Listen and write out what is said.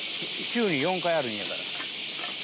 週に４回あるんやから。